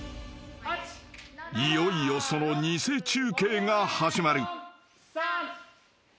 ［いよいよその偽中継が始まる］